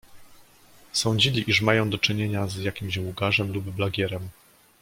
"Sądzili, iż mają do czynienia z jakimś łgarzem lub blagierem!"